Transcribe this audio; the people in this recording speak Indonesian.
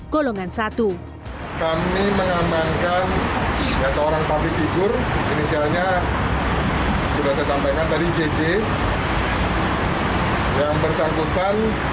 kami mengamankan seorang pamping figur inisialnya jj yang bersangkutan